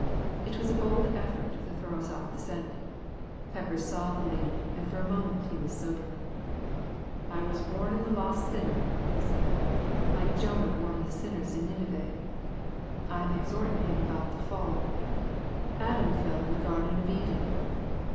It was a bold effort to throw us off the scent. Peppers saw the lead, and for a moment he was sober. "I was a warnin' the lost sinner," he said, "like Jonah warned the sinners in Nineveh. I'm exhortin' him about the fall. Adam fell in the Garden of Eden."